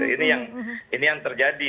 ini yang ini yang terjadi